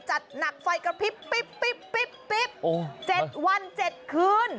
จัดหนักไฟกระพริบ๗วัน๗คืน